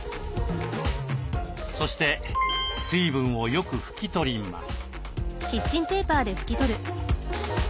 そして水分をよく拭きとります。